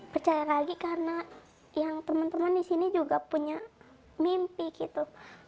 percaya lagi karena yang teman teman di sini juga punya mimpi gitu